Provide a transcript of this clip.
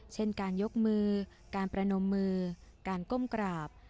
เช่นการยกมือการประนมมือการก้มกราบ